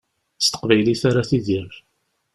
S teqbaylit ara tidir.